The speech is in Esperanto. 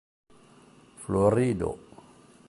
florido